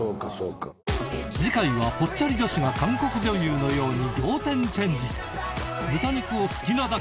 次回はぽっちゃり女子が韓国女優のように仰天チェンジ豚肉を好きなだけ！